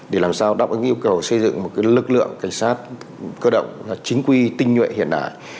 để làm sao đáp ứng yêu cầu xây dựng một lực lượng cảnh sát cơ động chính quy tinh nhuệ hiện đại